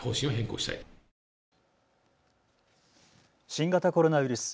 新型コロナウイルス。